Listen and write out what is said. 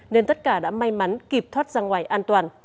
nên tất cả đã may mắn kịp thoát ra ngoài an toàn